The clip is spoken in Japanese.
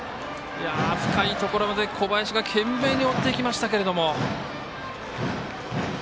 深いところまで小林が懸命に追っていきましたけれども。